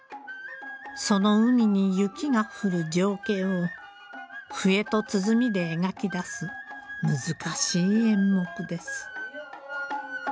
その海に雪が降る情景を笛と鼓で描き出す難しい演目です。